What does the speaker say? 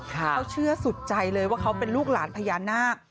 เขาเชื่อสุดใจเลยว่าเขาเป็นลูกหลานพญานาค